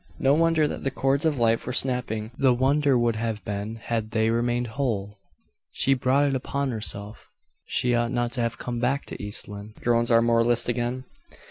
No wonder that the chords of life were snapping; the wonder would have been had they remained whole. "She brought it upon herself she ought not to have come back to East Lynne!" groans our moralist again.